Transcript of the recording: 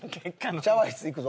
シャワー室行くぞ。